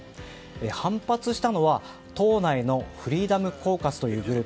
反発したのは党内のフリーダム・コーカスというグループ。